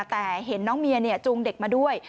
แต่เห็นน้องเมียจูงเด็กมาด้วย